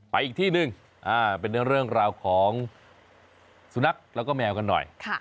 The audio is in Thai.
อีกที่หนึ่งเป็นเรื่องราวของสุนัขแล้วก็แมวกันหน่อย